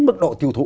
mức độ tiêu thụ